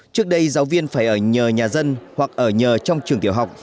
trước đây giáo viên phải ở nhờ nhà dân hoặc ở nhờ trong trường tiểu học